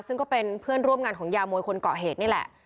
ซึ่งก็เป็นเพื่อนร่วมงานของยามวยคนเกาะเหตุนี่แหละ